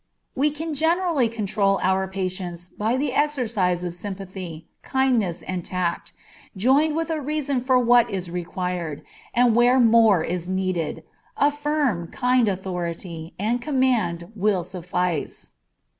We can generally control our patients by the exercise of sympathy, kindness, and tact, joined with a reason for what is required, and where more is needed, a firm, kind authority and command will suffice.